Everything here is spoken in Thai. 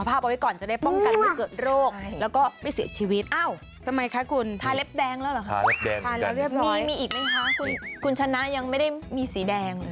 อันนี้ดิฉันมีสีแดง